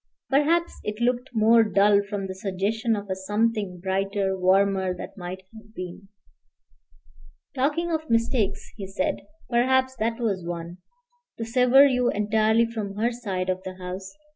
Perhaps it looked more dull from the suggestion of a something brighter, warmer, that might have been. "Talking of mistakes," he said, "perhaps that was one: to sever you entirely from her side of the house.